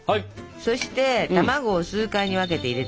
そして卵を数回に分けて入れていく。